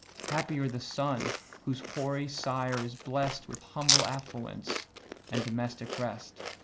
Happier the son, whose hoary sire is bless'd With humble affluence, and domestic rest!